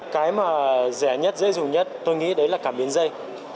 cái mà rẻ nhất dễ dùng nhất tôi nghĩ đấy là cảm biến dây